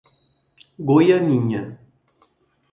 Goianinha